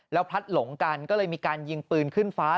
แล้วพลัดหลงกันก็เลยมีการยิงปืนขึ้นฟ้า